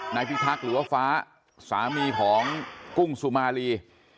นายพิทักหรือว่าฟ้าสามีของกุ้งซูมาลี